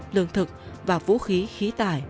lương thực và vũ khí khí tải